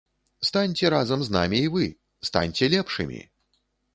Станьце разам з намі і вы, станьце лепшымі!